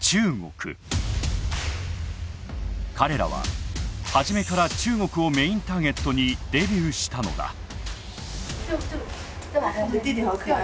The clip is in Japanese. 彼らは初めから中国をメインターゲットにデビューしたのだ。